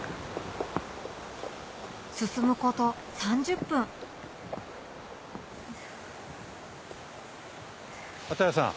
進むこと３０分綿矢さん。